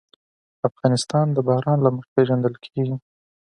افغانستان د باران له مخې پېژندل کېږي.